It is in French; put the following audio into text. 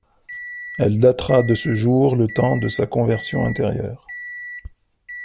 Elle datera de ce jour le temps de sa conversion intérieure.